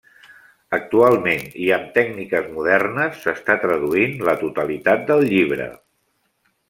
Actualment, i amb tècniques modernes, s'està traduint la totalitat del llibre.